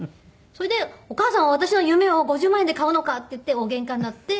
それで「お母さんは私の夢を５０万円で買うのか！」って言って大ゲンカになって。